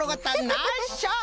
ナイスショット！